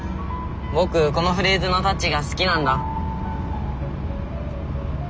僕このフレーズのタッチが好きなんだ。